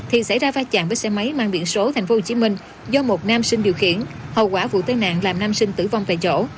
thì xảy ra vai chạm với xe máy mang biển số tp hcm do một nam sinh điều khiển hậu quả vụ tai nạn làm nam sinh tử vong tại chỗ